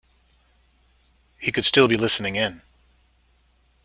He could still be listening in.